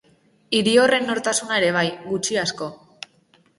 Hiri horren nortasuna ere bai, gutxi-asko.